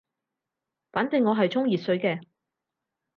反正我係沖熱水嘅